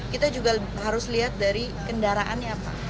kita juga harus lihat dari kendaraannya apa